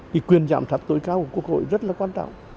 cái quyền giảm sát tối cao của quốc hội rất là quan trọng